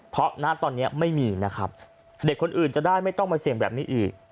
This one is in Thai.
เพราะณตอนนี้ไม่มีนะครับเด็กคนอื่นจะได้ไม่ต้องมาเสี่ยงแบบนี้อีก